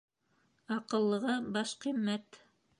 Аҡыллыға баш ҡиммәт